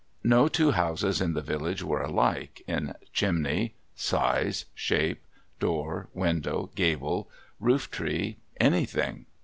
No two houses in the village were alike, in chimney, size, shape, door, window, gable, roof tree, an} thing.